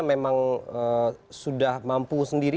memang sudah mampu sendiri